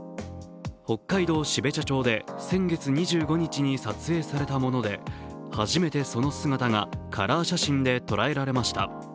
北海道標茶町で先月２５日に撮影されたもので初めてその姿がカラー写真で捉えられました。